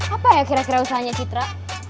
apa ya kira kira usahanya citra